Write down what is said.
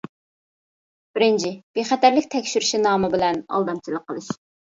بىرىنچى، بىخەتەرلىك تەكشۈرۈشى نامى بىلەن ئالدامچىلىق قىلىش.